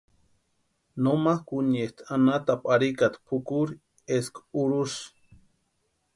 No makʼuniesti anhatapu arhikata pʼukuri eska urhusï.